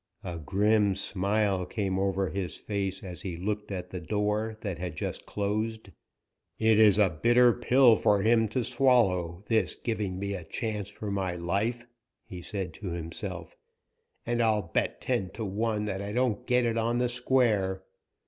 A grim smile came over his face as he looked at the door that had just closed. "It is a bitter pill for him to swallow, this giving me a chance for my life," he said to himself, "and I'll bet ten to one that I don't get it on the square."